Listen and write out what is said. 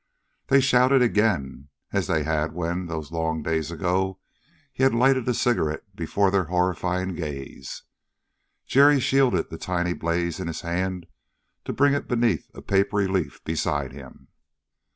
They shouted again, as they had when, those long days ago, he had lighted a cigarette before their horrified gaze. Jerry shielded the tiny blaze in his hand to bring it beneath a papery leaf beside him.